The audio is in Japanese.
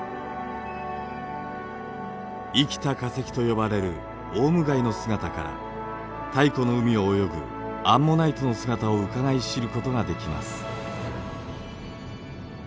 生きた化石と呼ばれるオウムガイの姿から太古の海を泳ぐアンモナイトの姿をうかがい知ることができます。